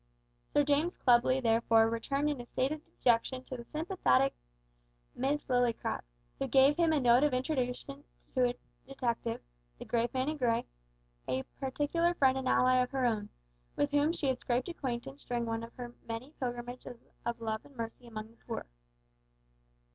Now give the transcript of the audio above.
Sir James Clubley therefore returned in a state of dejection to the sympathetic Miss Lillycrop, who gave him a note of introduction to a detective the grave man in grey, a particular friend and ally of her own, with whom she had scraped acquaintance during one of her many pilgrimages of love and mercy among the poor.